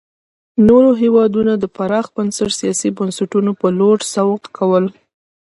نور هېوادونه د پراخ بنسټه سیاسي بنسټونو په لور سوق کول.